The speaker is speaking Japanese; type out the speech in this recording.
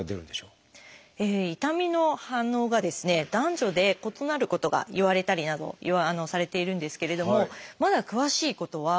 痛みの反応が男女で異なることがいわれたりなどされているんですけどもまだ詳しいことは分かっていないんですね。